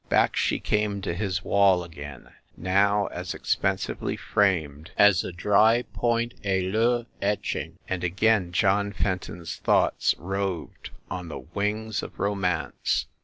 Back she came to his wall again, now as expensively framed as a dry point Helleu etching and again John Fen ton s thoughts roved on the wings of romance.